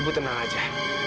ibu tenang saja